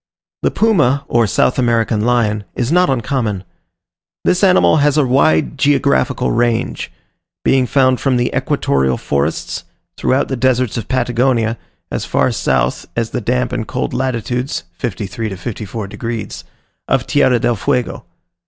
The Puma, or South American Lion, is not uncommon. This animal has a wide geographical range; being found from the equatorial forests, throughout the deserts of Patagonia as far south as the damp and cold latitudes (53 to 54 degs.) of Tierra del Fuego.